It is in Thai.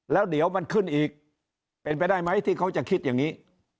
แล้วเดี๋ยวมันขึ้นอีกเป็นไปได้ไหมที่เขาจะคิดอย่างนี้